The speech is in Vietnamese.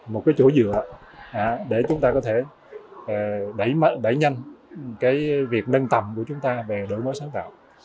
một chỗ dựa để chúng ta có thể đẩy nhanh việc nâng tầm của chúng ta về đổi mới sản phẩm